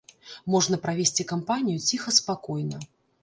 Можна правесці кампанію ціха-спакойна.